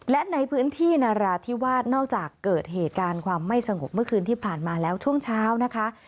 และในพื้นที่นราธิวาสนอกจากเกิดเหตุการณ์ความไม่สงบเมื่อคืนที่ผ่านมาแล้วช่วงเช้านะคะ